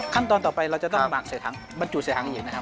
คันตอนต่อไปเราจะต้องหมักเสียถังมันจูดเสียถังอยู่นะครับ